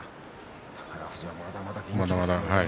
宝富士はまだまだですね。